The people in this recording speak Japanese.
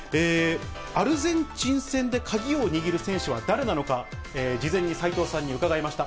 アルゼンチン戦で鍵を握る選手は誰なのか、事前に斉藤さんに伺いました。